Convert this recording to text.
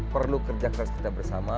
perlu kerja keras kita bersama